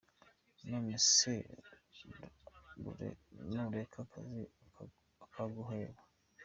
None se nu reka akazi , akaguheba .